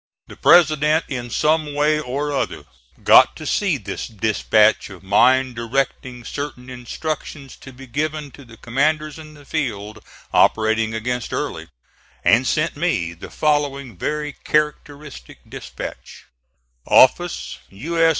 The President in some way or other got to see this dispatch of mine directing certain instructions to be given to the commanders in the field, operating against Early, and sent me the following very characteristic dispatch: OFFICE U. S.